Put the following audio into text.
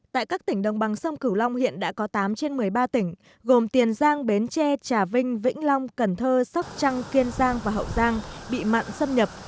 tại các tỉnh đồng bằng sông cửu long hiện đã có tám trên một mươi ba tỉnh gồm tiền giang bến tre trà vinh vĩnh long cần thơ sóc trăng kiên giang và hậu giang bị mặn xâm nhập